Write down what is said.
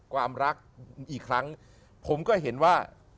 ความรักอีกครั้งผมก็เห็นว่า